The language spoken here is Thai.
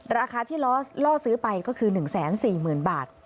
ราคาที่ลอสล่อซื้อไปก็คือ๑๔๐๐๐บาท